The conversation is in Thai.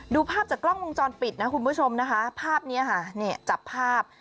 ดูภาพจากกล้องวงจรปิดนะคุณผู้ชมนะคะภาพนี้ค่ะเนี่ยจับภาพ